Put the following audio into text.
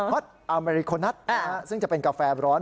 ตอเมริโคนัสซึ่งจะเป็นกาแฟร้อน